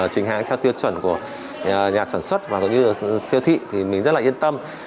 trình hàng theo tiêu chuẩn của nhà sản xuất và cũng như siêu thị thì mình rất là yên tâm